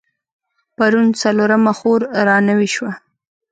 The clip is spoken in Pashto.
پرون څلرمه خور رانوې شوه.